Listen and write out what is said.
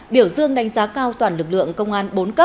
biểu dương đánh giá cao toàn lực lượng công an